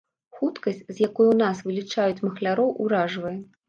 Хуткасць, з якой у нас вылічаюць махляроў, уражвае.